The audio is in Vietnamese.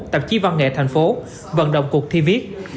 tạp chí văn nghệ thành phố vận động cuộc thi viết